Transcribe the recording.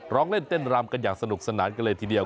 ร้องเล่นเต้นรำกันอย่างสนุกสนานกันเลยทีเดียว